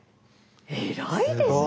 偉いですね！